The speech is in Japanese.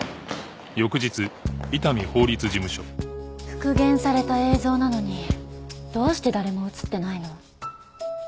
復元された映像なのにどうして誰も映ってないの？